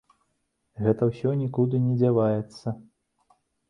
Гэта ўсё нікуды не дзяваецца.